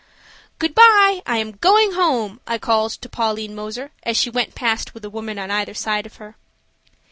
"Good bye; I am going home," I called to Pauline Moser, as she went past with a woman on either side of her.